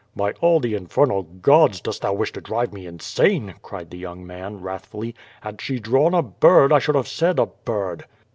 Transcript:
"By all the infernal gods, dost thou wish to drive me in sane?" cried the young man, wrathfully. "Had she drawn a bird I should have said a bird."